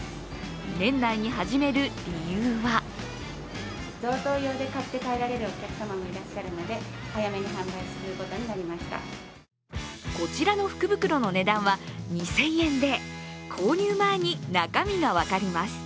年内に始める理由はこちらの福袋の値段は２０００円で購入前に中身が分かります。